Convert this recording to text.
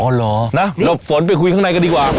เหรอนะหลบฝนไปคุยข้างในกันดีกว่า